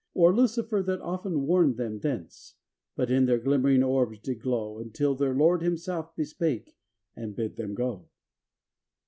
Or Lucifer that often warned them thence; But in their glimmering orbs did glow, Until their Lord himself bespake, and bid them go.